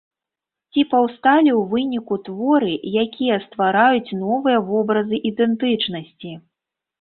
Ці паўсталі ў выніку творы, якія ствараюць новыя вобразы ідэнтычнасці?